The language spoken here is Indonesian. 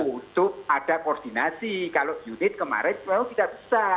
untuk ada koordinasi kalau unit kemarin memang tidak bisa